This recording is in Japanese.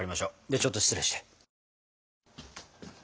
ではちょっと失礼して。